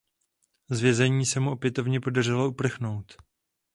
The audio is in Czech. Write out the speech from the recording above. Z vězení se mu opětovně podařilo uprchnout.